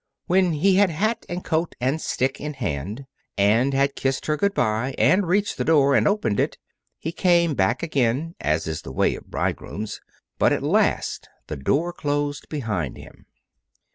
When he had hat and coat and stick in hand, and had kissed her good by and reached the door and opened it, he came back again, as is the way of bridegrooms. But at last the door closed behind him.